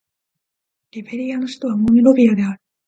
リベリアの首都はモンロビアである